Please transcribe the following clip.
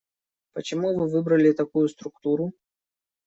Почему вы выбрали такую структуру?